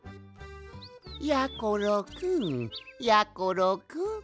やころくんやころくん。